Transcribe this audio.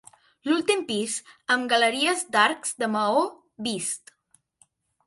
L'últim pis amb galeries d'arcs de maó vist.